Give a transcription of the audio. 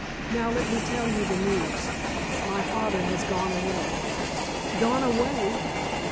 Now let me tell you the news. My father has gone away." "Gone away!